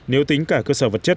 nếu tính cả cơ sở vật chất